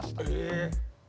え。